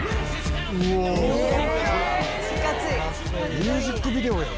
ミュージックビデオやん。